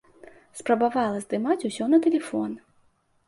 Спрабавала здымаць усё на тэлефон.